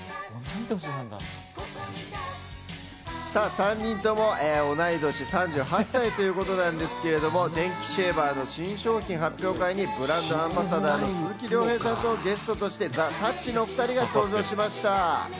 ３人とも同い年、３８歳ということなんですけど、電気シェーバーの新商品発表会にブランドアンバサダーの鈴木亮平さんとゲストとしてザ・たっちのお２人が登場しました。